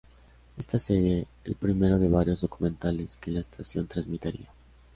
Este seria el primero de varios documentales que la estación transmitiría.